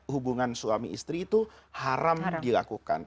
hubungan suami istri itu haram dilakukan